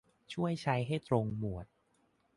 ช่วยใช้ให้ตรงหมวด